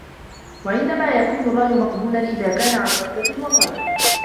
وَإِنَّمَا يَكُونُ الرَّأْيُ مَقْبُولًا إذَا كَانَ عَنْ رَغْبَةٍ وَطَلَبٍ